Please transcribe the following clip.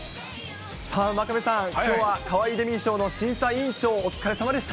さあ、真壁さん、きょうはかわいいデミー賞の審査委員長、お疲れさまでした。